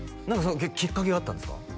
何かきっかけがあったんですか？